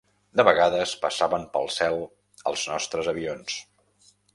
De vegades passaven pel cel els nostres avions